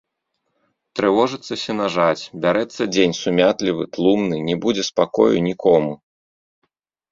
Трывожыцца сенажаць, бярэцца дзень сумятлівы, тлумны, не будзе спакою нікому.